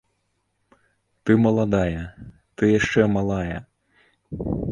Ты маладая, ты яшчэ малая.